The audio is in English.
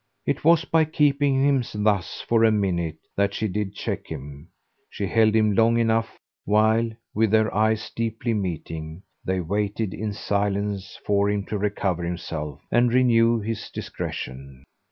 It was by keeping him thus for a minute that she did check him; she held him long enough, while, with their eyes deeply meeting, they waited in silence for him to recover himself and renew his discretion.